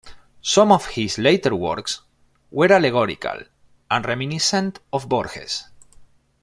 Some of his later works were allegorical and reminiscent of Borges.